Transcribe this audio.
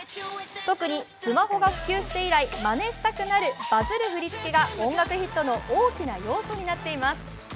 特にスマホが普及して以来、まねしたくなる、バズる振り付けが音楽ヒットの大きな要素になっています。